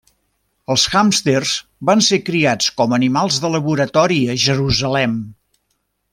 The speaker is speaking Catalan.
Els hàmsters van ser criats com a animals de laboratori a Jerusalem.